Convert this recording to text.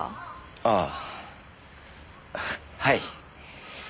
ああはい。